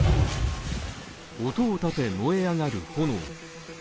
音を立て、燃え上がる炎。